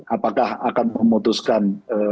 apakah akan memutuskan